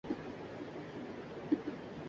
کیا کبھی ان کو سیراب کرنے کیلئے کچھ سامان کیا